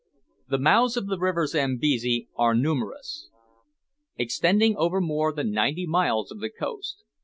The mouths of the river Zambesi are numerous; extending over more than ninety miles of the coast.